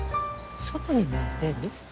外にも出る？